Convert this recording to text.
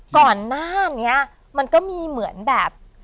ก่อนนั้นเนี่ยมันก็มีเหมือนแบบ